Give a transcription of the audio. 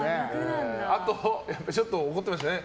あとちょっと怒ってましたね。